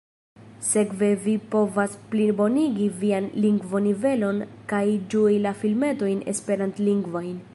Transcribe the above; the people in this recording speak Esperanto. Sekve vi povas plibonigi vian lingvonivelon kaj ĝui la filmetojn esperantlingvajn.